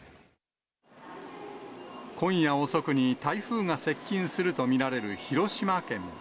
今夜遅くに台風が接近すると見られる広島県。